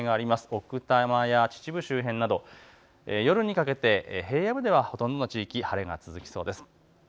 奥多摩や秩父周辺など夜にかけて平野部ではほとんどの地域、晴れが続きそうです。